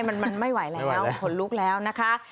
มันไม่ไหวแล้วขนลุกแล้วนะคะ